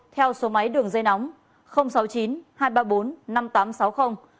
theo số máy đường dây nóng